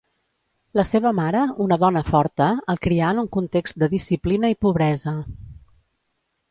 La seva mare, una dona forta, el crià en un context de disciplina i pobresa.